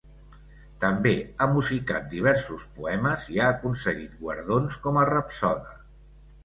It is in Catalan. També ha musicat diversos poemes i ha aconseguit guardons com a rapsode.